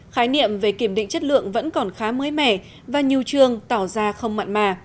khái niệm về kiểm định chất lượng vẫn còn khá mới mẻ và nhiều trường tỏ ra không mặn mà